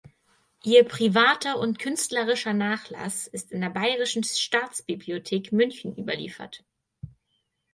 Ihr privater und künstlerischer Nachlass ist in der Bayerischen Staatsbibliothek München überliefert.